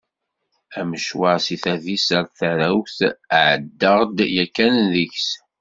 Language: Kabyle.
Amecwar seg tadist ar tarrawt, ɛeddaɣ-d yakkan deg-s.